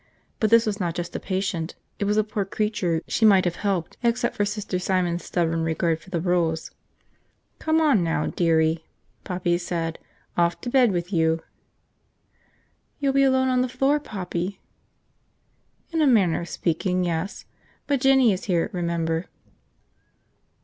But this was not just a patient, it was a poor creature she might have helped except for Sister Simon's stubborn regard for rules. "Come on now, dearie," Poppy said. "Off to bed with you." "You'll be alone on the floor, Poppy." "In a manner of speaking, yes. But Jinny is here, remember."